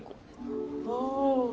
ああ！